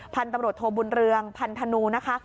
พันธุ์ตำรวจโทบุญเรืองพันธนูนะคะ